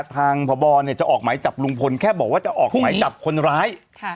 ทางพ่อบอจะออกไหมจับลงพลแค่บอกว่าจะออกไหมจับคนร้าย